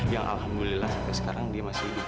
yang alhamdulillah sampai sekarang dia masih